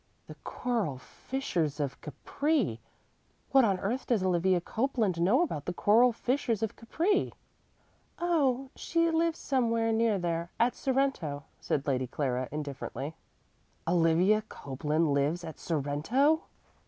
"'The Coral fishers of Capri'! What on earth does Olivia Copeland know about the coral fishers of Capri?" "Oh, she lives somewhere near there at Sorrento," said Lady Clara, indifferently. "Olivia Copeland lives at Sorrento!"